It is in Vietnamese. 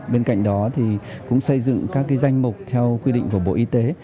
bên cạnh đó thì cũng xây dựng các danh mục theo quy định của bộ y tế